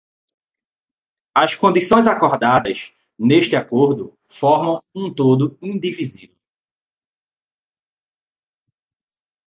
As condições acordadas neste acordo formam um todo indivisível.